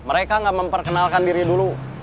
mereka nggak memperkenalkan diri dulu